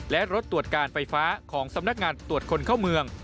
และรถตรวจการไฟฟ้าของสำนักงานตรวจคนเข้าเมือง